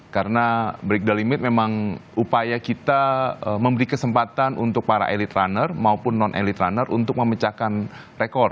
karena break the limit memang upaya kita memberi kesempatan untuk para elite runner maupun non elite runner untuk memecahkan rekor